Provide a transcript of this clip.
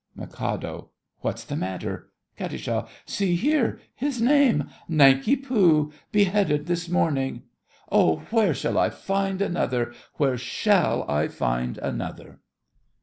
MIK. What's the matter? KAT. See here—his name—Nanki Poo—beheaded this morning. Oh, where shall I find another? Where shall I find another?